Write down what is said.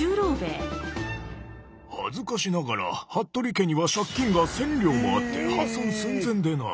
恥ずかしながら服部家には借金が１，０００両もあって破産寸前でな。